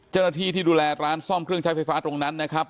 ที่ดูแลร้านซ่อมเครื่องใช้ไฟฟ้าตรงนั้นนะครับ